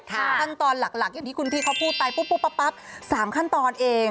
ขั้นตอนหลักอย่างที่คุณพี่เขาพูดไปปุ๊บปั๊บ๓ขั้นตอนเอง